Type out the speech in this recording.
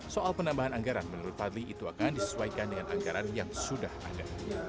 soal penambahan anggaran menurut fadli itu akan disesuaikan dengan anggaran yang sudah ada